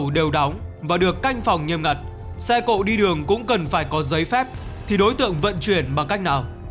đều đóng và được canh phòng nghiêm ngặt xe cộ đi đường cũng cần phải có giấy phép thì đối tượng vận chuyển bằng cách nào